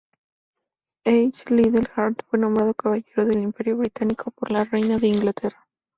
H. Liddell Hart fue nombrado caballero del Imperio británico por la reina de Inglaterra.